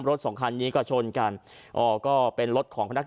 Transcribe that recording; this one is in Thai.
สองคันนี้ก็ชนกันอ๋อก็เป็นรถของพนัก